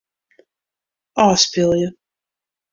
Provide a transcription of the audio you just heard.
Ofspylje.